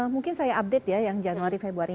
mungkin saya update ya yang januari februari